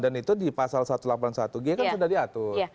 dan itu di pasal satu ratus delapan puluh satu g kan sudah diatur